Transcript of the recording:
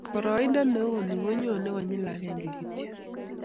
Boroindo ne u ni ko nyoni konyil akenge kityo